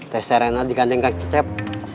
teh serena dikandeng kang cecep